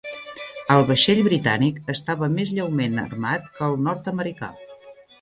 El vaixell britànic estava més lleument armat que el nord-americà.